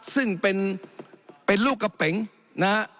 ซึ่งเป็นลูกกระเป๋งนะฮะ